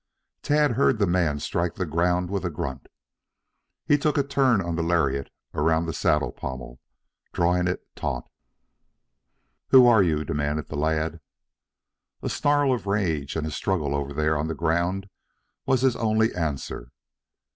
Tad heard the man strike the ground with a grunt. He took a turn of the lariat around the saddle pommel, drawing it taut. "Who are you!" demanded the lad. A snarl of rage and a struggle over there on the ground was his only answer.